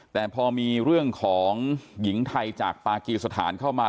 แต่พอมีเรื่องของหญิงไทยจากปากีสถานเข้ามา